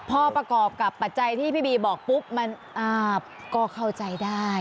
พอประกอบกับปัจจัยที่พี่บีบอกปุ๊บมันก็เข้าใจได้